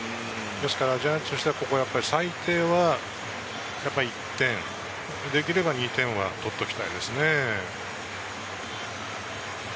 ジャイアンツとしては最低１点、できれば２点は取っておきたいですね。